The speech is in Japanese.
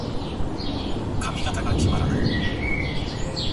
髪型が決まらない。